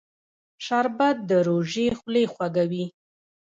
شربت د روژې خولې خوږوي